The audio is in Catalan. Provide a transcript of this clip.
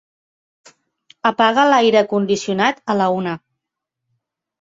Apaga l'aire condicionat a la una.